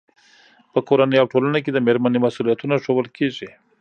په کورنۍ او ټولنه کې د مېرمنې مسؤلیتونه ښوول کېږي.